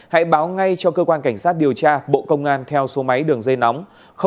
hãy báo ngay cho cơ quan cảnh sát điều tra bộ công an theo số máy đường dây nóng